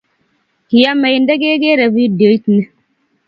kyameey, ndegeree vidioit ni